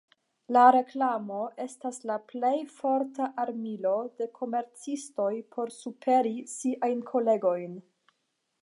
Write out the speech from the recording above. La reklamo estas la plej forta armilo de komercistoj por superi siajn kolegojn.